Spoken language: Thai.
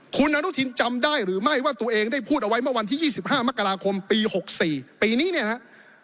คุณอนุทินจำได้หรือไม่ว่าตัวเองได้พูดเอาไว้เมื่อวันที่๒๕มกราคมปี๖๔ปีนี้เนี่ยนะครับ